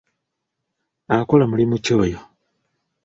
Akola mulimu ki oyo?